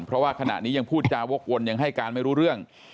เพราะว่าขณะนี้ยังพูดจาวกวนยังให้การไม่รู้เรื่อง